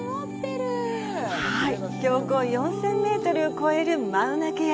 標高４０００メートルを超えるマウナケア。